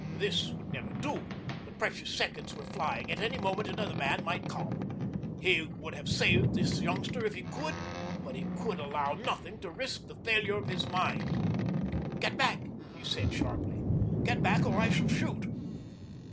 This would never do; the precious seconds were flying; at any moment another man might come. He would have saved this youngster if he could, but he could allow nothing to risk failure for his mine. 'Get back,' he said sharply. 'Get back quickly, or I shall shoot.'